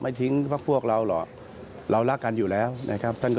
ไม่อยากจะมาเป็นคู่ขัดแย้ง